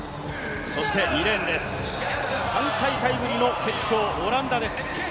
そして２レーンです、３大会ぶりの決勝、オランダです。